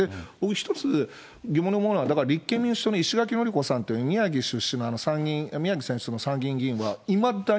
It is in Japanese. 一つ疑問に思うのは、だから、立憲民主党の石垣のりこさんっていう宮城選出の参議院議員は、いへえー。